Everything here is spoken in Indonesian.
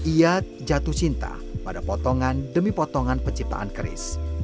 ia jatuh cinta pada potongan demi potongan penciptaan keris